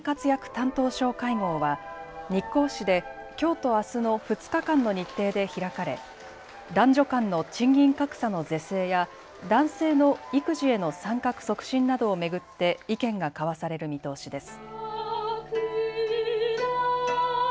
担当相会合は日光市できょうとあすの２日間の日程で開かれ男女間の賃金格差の是正や男性の育児への参画促進などを巡って意見が交わされる見通しです。